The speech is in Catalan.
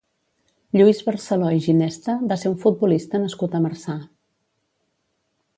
Lluís Barceló i Ginesta va ser un futbolista nascut a Marçà.